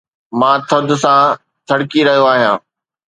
مان ٿڌ سان ٿڙڪي رهيو آهيان